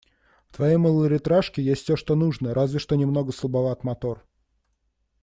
В твоей малолитражке есть всё, что нужно, разве что немного слабоват мотор.